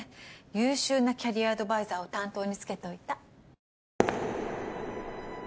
優秀なキャリアアドバイザーを担当に付けといた。